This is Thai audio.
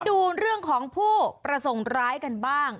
ดูเรื่องของผู้ประสงค์ร้ายกันบ้าง